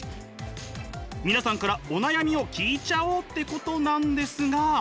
皆さんからお悩みを聞いちゃおうってことなんですが。